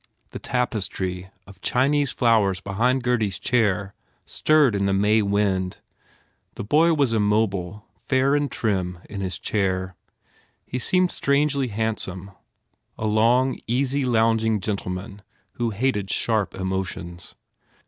The tapestry of Chinese flowers behind Gurdy s chair stirred in the May wind. The boy was immobile, fair and trim in his chair. He seemed strangely handsome a long, easy lounging gentleman who hated sharp emotions.